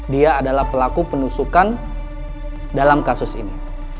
dia adalah pelaku penusukan dalam kasus ini